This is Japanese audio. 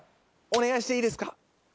お願いしていいですか？